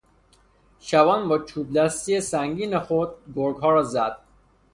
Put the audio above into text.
شبان با چوبدستی سنگین خود، گرگها را زد.